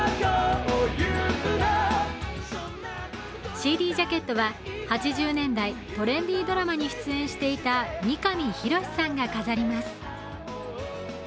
ＣＤジャケットは８０年代、トレンディードラマに出演していた三上博史さんが飾ります。